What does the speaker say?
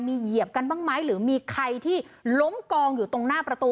มีเหยียบกันบ้างไหมหรือมีใครที่ล้มกองอยู่ตรงหน้าประตู